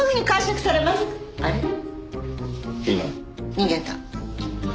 逃げた。